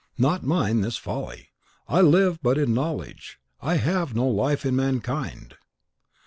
Not mine this folly; I live but in knowledge, I have no life in mankind!"